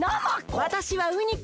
わたしはウニコ。